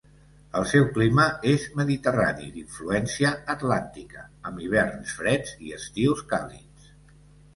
El seu clima és mediterrani d'influència atlàntica, amb hiverns freds i estius càlids.